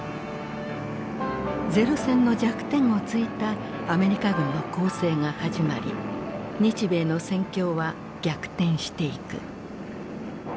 零戦の弱点をついたアメリカ軍の攻勢が始まり日米の戦況は逆転していく。